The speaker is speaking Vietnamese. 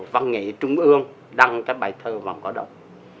văn nghệ trung ương đăng cái bài thơ vàng cỏ đông